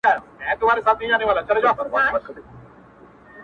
تر بار لاندي یې ورمات کړله هډونه!.